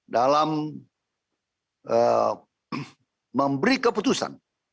dalam memberi keputusan